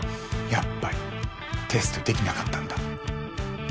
やっぱりテストできなかったんだ